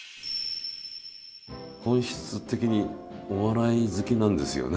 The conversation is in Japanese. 本質的にお笑い好きなんですよね？